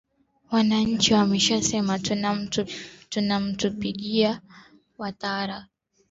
wananchi wameshasema tunamtupigia watara